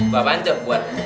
bapak bantu buat buku silang